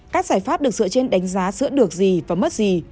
các giải pháp được dựa trên đánh giá sữa được gì và mất gì